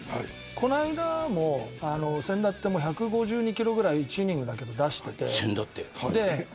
この間も、せんだっても１５２キロぐらい１イニングで出していて。